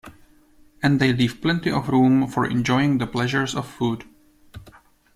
And they leave plenty of room for enjoying the pleasures of food.